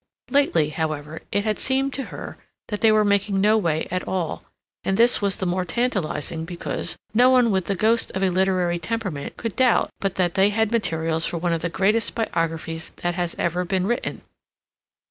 Lately, however, it had seemed to her that they were making no way at all, and this was the more tantalizing because no one with the ghost of a literary temperament could doubt but that they had materials for one of the greatest biographies that has ever been written.